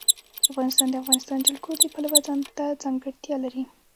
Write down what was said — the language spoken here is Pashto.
افغانستان د د افغانستان جلکو د پلوه ځانته ځانګړتیا لري.